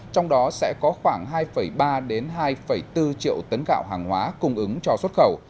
trong đó sẽ có khoảng hai ba hai bốn triệu tấn gạo hàng hóa cung ứng cho xuất khẩu